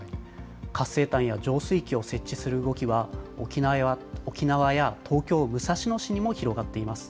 活性炭や浄水器を設置する動きは、沖縄や東京・武蔵野市にも広がっています。